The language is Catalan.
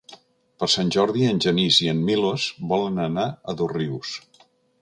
Per Sant Jordi en Genís i en Milos volen anar a Dosrius.